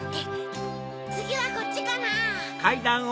つぎはこっちかな？